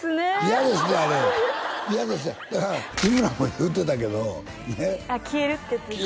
「嫌です」じゃあれへん「嫌です」じゃだから日村も言うてたけどね消えるってやつですか？